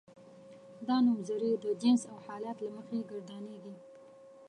دا نومځري د جنس او حالت له مخې ګردانیږي.